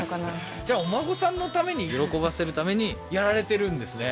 じゃあお孫さんのために喜ばせるためにやられてるんですね